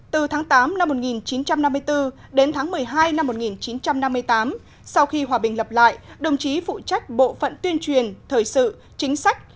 từ tháng tám năm một nghìn chín trăm năm mươi bốn đến tháng một mươi hai năm một nghìn chín trăm năm mươi tám sau khi hòa bình lập lại đồng chí phụ trách bộ phận tuyên truyền thời sự chính sách